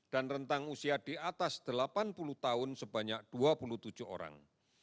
dan rentang usia di atas delapan puluh tahun sebanyak dua puluh tujuh orang